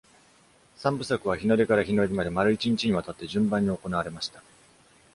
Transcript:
三部作は日の出から日の入りまで丸一日にわたって順番に行われました。